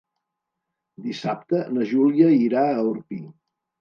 Dissabte na Júlia irà a Orpí.